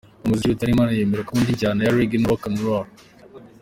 Mu muziki, Rutaremara yemeza ko akunda injyana ya Reggae na Rock n Roll.